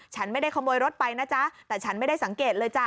ฉันไม่ได้ขโมยรถไปนะจ๊ะแต่ฉันไม่ได้สังเกตเลยจ้ะ